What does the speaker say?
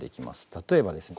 例えばですね